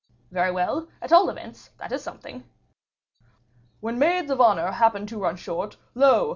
"Very well, at all events, that is something." "When Maids of Honor happen to run short, Lo!